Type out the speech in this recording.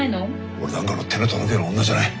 俺なんかの手の届くような女じゃない。